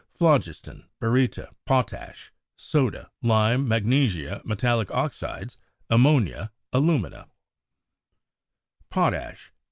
Phlogiston Baryta Potash Soda Lime Magnesia Metallic oxides Ammonia Alumina Potash.